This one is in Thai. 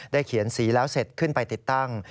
เขียนสีแล้วเสร็จขึ้นไปติดตั้ง